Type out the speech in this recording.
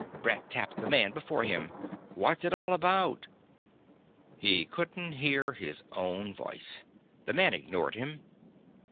Brett tapped the man before him. "What's it all about...?" He couldn't hear his own voice. The man ignored him.